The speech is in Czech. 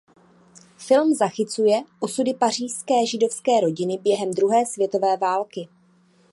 Film zachycuje osudy pařížské židovské rodiny během druhé světové války.